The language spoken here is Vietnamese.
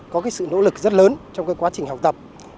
có sự nỗ lực rất lớn trong quá trình học tập